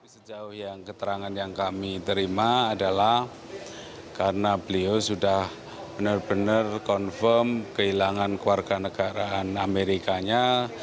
sejauh yang keterangan yang kami terima adalah karena beliau sudah benar benar confirm kehilangan keluarga negaraan amerikanya